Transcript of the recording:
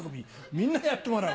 みんなやってもらう。